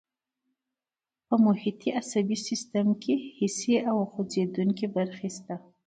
په محیطي عصبي سیستم کې حسي او خوځېدونکي برخې شته.